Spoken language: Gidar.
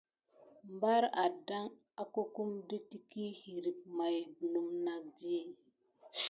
Mbar addan akokum də teky hirip may bələm nakdi.